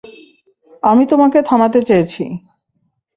আমি তোমাকে থামাতে চেয়েছি।